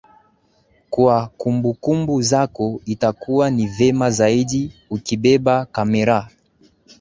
Kwa kumbukumbu zako itakuwa ni vema zaidi ukibeba kamera